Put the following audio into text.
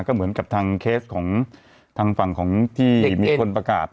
ก็เหมือนกับทางเคสของทางฝั่งของที่มีคนประกาศ